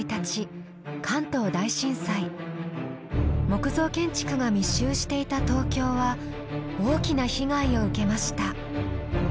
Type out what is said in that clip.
木造建築が密集していた東京は大きな被害を受けました。